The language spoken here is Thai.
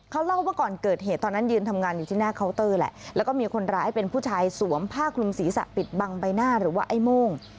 เขาเล่าว่าก่อนเกิดเหตุตอนนั้นยืนทำงานอยู่ที่หน้าเคาน์เตอร์แหละแล้วก็มีคนร้ายเป็นผู้ชายสวมผ้าคลุมศีรษะปิดบังใบหน้าหรือว่าไอ้โม่ง